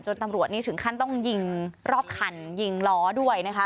ตำรวจนี่ถึงขั้นต้องยิงรอบคันยิงล้อด้วยนะคะ